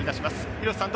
廣瀬さん